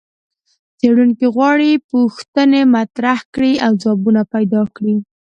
څېړونکي غواړي پوښتنې مطرحې کړي او ځوابونه پیدا کړي.